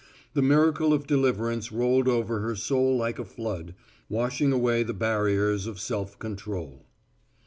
The miracle of deliverance rolled over her soul like a flood, washing away the barriers of self control.